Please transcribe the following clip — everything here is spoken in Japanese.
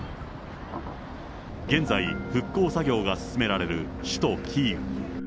現在、復興作業が進められる首都キーウ。